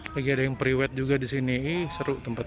lagi ada yang priwet juga di sini seru tempatnya